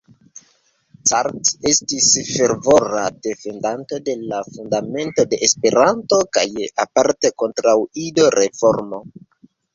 Cart estis fervora defendanto de la Fundamento de Esperanto kaj aparte kontraŭ Ido-reformo.